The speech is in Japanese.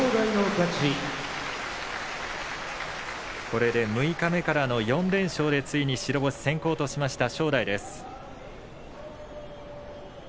これで六日目からの４連勝でついに白星先行としました正代です。